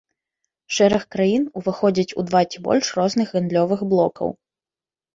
Шэраг краін уваходзяць у два ці больш розных гандлёвых блокаў.